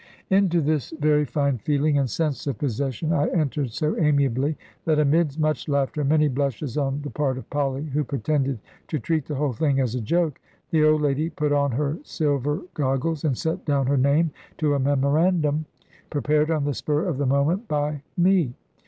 Into this very fine feeling and sense of possession I entered so amiably, that amid much laughter and many blushes on the part of Polly (who pretended to treat the whole thing as a joke), the old lady put on her silver goggles, and set down her name to a memorandum, prepared on the spur of the moment by me.